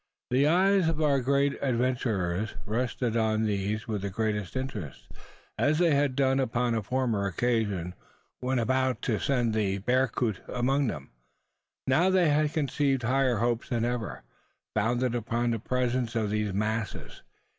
The eyes of our adventurers rested on these with the greatest interest: as they had done upon a former occasion, when about to send the bearcoot among them. Now they had conceived higher hopes than ever founded upon the presence of these masses.